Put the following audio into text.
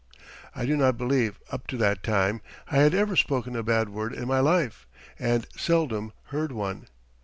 I do not believe, up to that time, I had ever spoken a bad word in my life and seldom heard one.